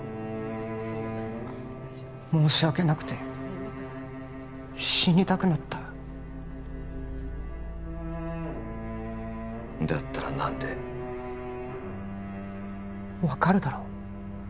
申し訳なくて死にたくなっただったら何で分かるだろ？